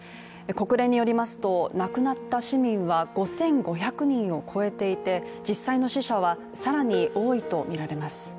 国連によりますと、亡くなった市民は５５００人を超えていて実際の死者は更に多いとみられます。